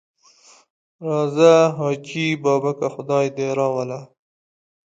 راځه حاجي بابکه خدای دې راوله.